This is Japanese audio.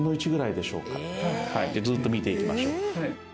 はいずっと見ていきましょう。